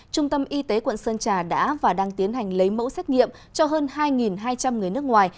trung tâm y tế quận sơn trà đã và đang tiến hành lấy mẫu xét nghiệm cho hơn hai hai trăm linh người nước ngoài